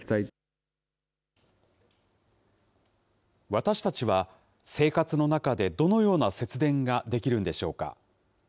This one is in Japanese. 私たちは、生活の中でどのような節電ができるんでしょうか。